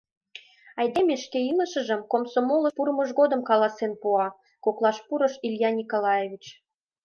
— Айдеме шке илышыжым комсомолыш пурымыж годым каласен пуа, — коклаш пурыш Илья Николаевич.